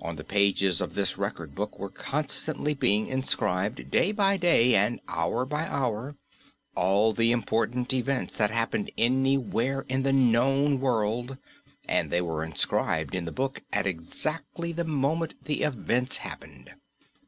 On the pages of this Record Book were constantly being inscribed, day by day and hour by hour, all the important events that happened anywhere in the known world, and they were inscribed in the book at exactly the moment the events happened.